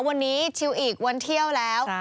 วันนี้ชิวอีกวันเที่ยวแล้ว